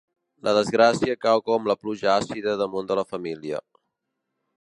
La desgràcia cau com la pluja àcida damunt de la família.